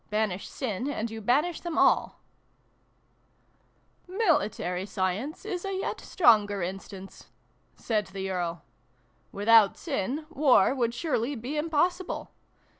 Banish sin, and you banish them all !"" Military science is a yet stronger instance/' said the Earl. " Without sin, war would surely be impossible.